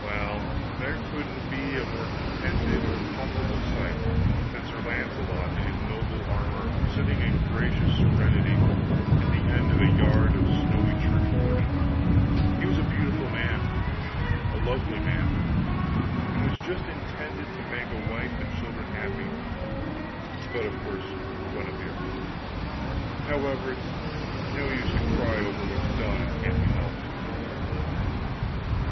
Well, there couldn't be a more contented or comfortable sight than Sir Launcelot in his noble armor sitting in gracious serenity at the end of a yard of snowy church warden. He was a beautiful man, a lovely man, and was just intended to make a wife and children happy. But, of course Guenever however, it's no use to cry over what's done and can't be helped.